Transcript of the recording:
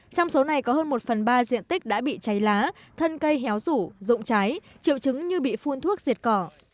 trong số này có hơn một phần ba diện tích đã bị cháy lá thân cây héo rũ rụng cháy triệu chứng như bị phun thuốc diệt cỏ